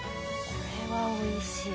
これはおいしい。